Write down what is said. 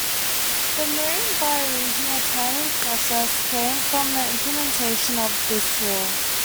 The marine bioregional planning process came from the implementation of this law.